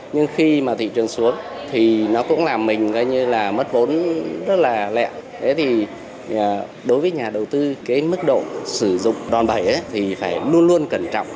nhưng khi mà thị trường xuống thì nó cũng làm mình gây như là mất vốn rất là lẹ thế thì đối với nhà đầu tư cái mức độ sử dụng đòn bẫy thì phải luôn luôn cẩn trọng